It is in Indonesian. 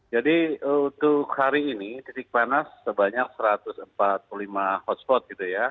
jadi untuk hari ini titik panas sebanyak satu ratus empat puluh lima hotspot gitu ya